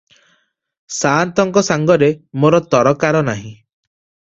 ସାଆନ୍ତଙ୍କ ସାଙ୍ଗରେ ମୋର ତରକାର ନାହିଁ ।